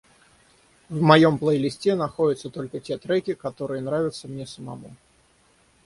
В моём плейлисте находятся только те треки, которые нравятся мне самому.